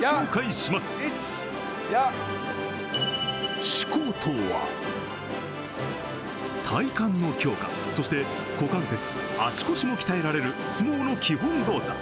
しことは、体幹の強化、そして股関節足腰も鍛えられる相撲の基本動作。